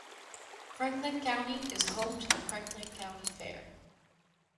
Franklin County is home to the Franklin County Fair.